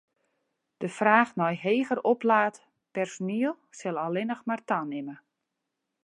De fraach nei heger oplaat personiel sil allinnich mar tanimme.